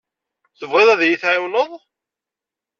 Tebɣiḍ ad iyi-tɛiwneḍ?